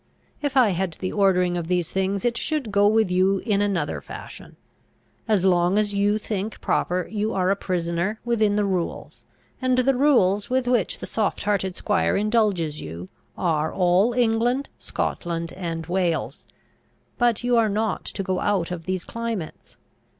If I had the ordering of these things, it should go with you in another fashion. As long as you think proper, you are a prisoner within the rules; and the rules with which the soft hearted squire indulges you, are all England, Scotland, and Wales. But you are not to go out of these climates.